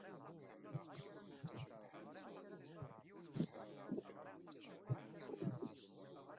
Anda tella teydit-nni?